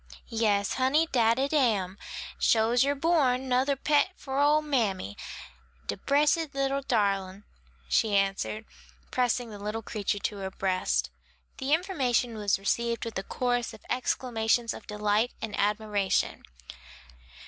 "Yes, honey, dat it am; sho's yer born, 'nother pet for ole mammy, de bressed little darlin'," she answered, pressing the little creature to her breast. The information was received with a chorus of exclamations of delight and admiration.